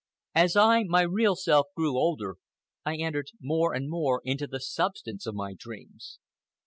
As I, my real self, grew older, I entered more and more into the substance of my dreams.